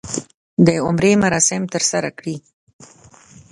د عمرې مراسم ترسره کړي.